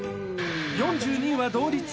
４２位は同率。